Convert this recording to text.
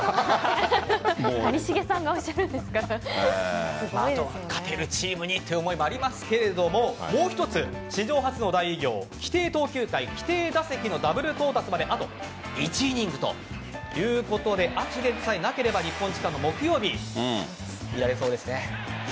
谷繁さんがおっしゃるんですから勝てるチームにという思いもありますがもう一つ、史上初の大偉業規定投球回、規定打席のダブル到達まであと１イニングということでアクシデントさえなければ日本時間の木曜日見られそうですね。